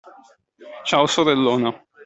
Ciao, sorellona.